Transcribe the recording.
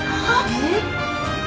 えっ？